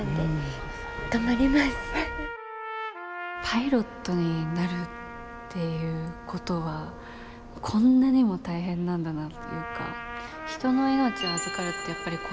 パイロットになるっていうことはこんなにも大変なんだなっていうか人の命を預かるってやっぱりこういうことなんだなって。